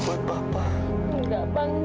minta kami bisa bersyukur